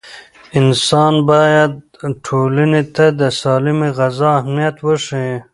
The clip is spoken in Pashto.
انسان باید ټولنې ته د سالمې غذا اهمیت وښيي.